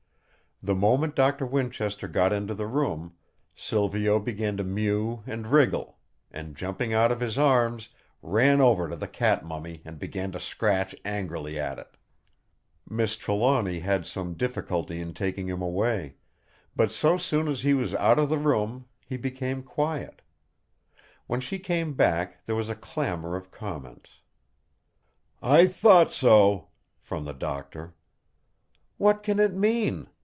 The moment Doctor Winchester got into the room, Silvio began to mew and wriggle; and jumping out of his arms, ran over to the cat mummy and began to scratch angrily at it. Miss Trelawny had some difficulty in taking him away; but so soon as he was out of the room he became quiet. When she came back there was a clamour of comments: "I thought so!" from the Doctor. "What can it mean?"